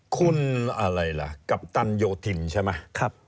คุณอะไรล่ะกัปตันโยธินใช่ไหม